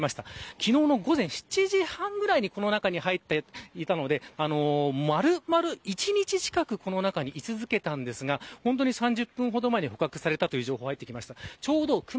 昨日の午前７時半ぐらいにこの中に入っていたので丸々一日近くこの中に居続けたんですが３０分ほど前に捕獲されたという情報が入ってきました。